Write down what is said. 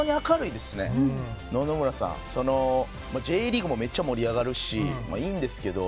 Ｊリーグもめっちゃ盛り上がるしいいんですけど。